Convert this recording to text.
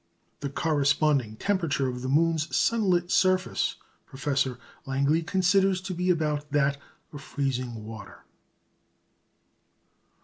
The corresponding temperature of the moon's sunlit surface Professor Langley considers to be about that of freezing water.